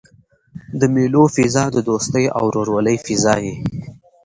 د مېلو فضا د دوستۍ او ورورولۍ فضا يي.